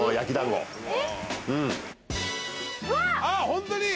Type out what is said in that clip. ホントに。